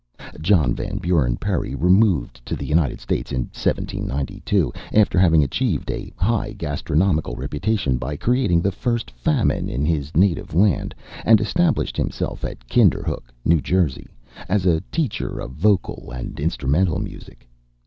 John Van Buren Perry removed to the United States in 1792 after having achieved a high gastronomical reputation by creating the first famine in his native land and established himself at Kinderhook, New Jersey, as a teacher of vocal and instrumental music.